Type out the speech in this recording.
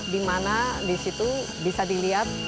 di mana di situ bisa dilihat